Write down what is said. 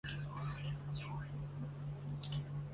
爪哇麦鸡是一种麦鸡。